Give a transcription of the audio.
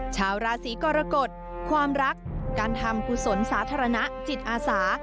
ชาวราศีกรกฎความรักการทำกุศลสาธารณะจิตอาสา